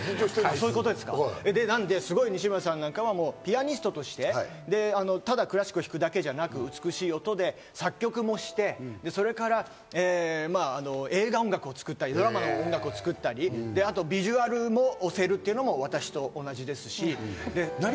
西村さんなんかもピアニストとして、ただクラシックを弾くだけじゃなくて美しい音で作曲もして、それから映画音楽を作ったり、ドラマの音楽を作ったり、あとビジュアルも押せるというのが私と同じですし。